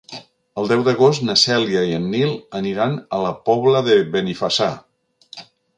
El deu d'agost na Cèlia i en Nil aniran a la Pobla de Benifassà.